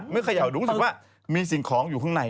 เขย่าดูรู้สึกว่ามีสิ่งของอยู่ข้างใน